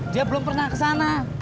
dia belum pernah ke sana